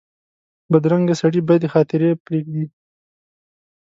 بدرنګه سړي بدې خاطرې پرېږدي